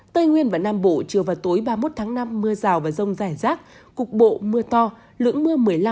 tây nguyên và nam bộ chiều và tối ba mươi một tháng năm mưa rào và rông rải rác cục bộ mưa to lượng mưa một mươi năm đến ba mươi mm có nơi trên năm mươi mm